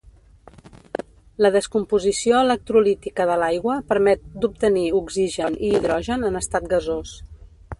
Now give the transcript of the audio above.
La descomposició electrolítica de l'aigua permet d'obtenir oxigen i hidrogen en estat gasós.